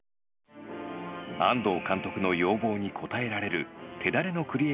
安藤監督の要望に応えられる手だれのクリエイターたちが集結。